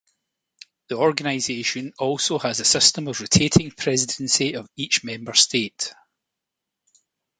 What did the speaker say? The organisation also has a system of rotating presidency of each Member State.